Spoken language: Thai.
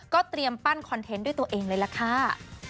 เตรียมปั้นคอนเทนต์ด้วยตัวเองเลยล่ะค่ะ